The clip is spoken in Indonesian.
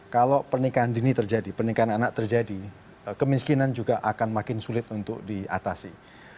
kalau pernikahan dini terjadi pernikahan anak terjadi kemiskinan juga akan makin sulit untuk diatasi